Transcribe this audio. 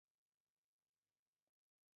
کله چې خر په غوسه شي، نو بیا چغې وهي.